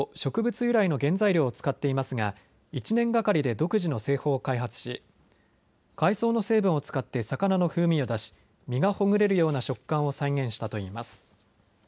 由来の原材料を使っていますが１年がかりで独自の製法を開発し海藻の成分を使って魚の風味を出し身がほぐれるような食感を再現したといいます。